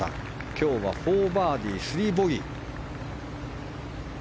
今日は４バーディー、３ボギー。